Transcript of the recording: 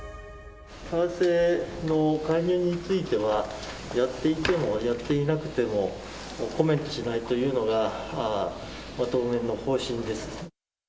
為替の介入については、やっていても、やっていなくても、コメントしないというのが当面の方針です。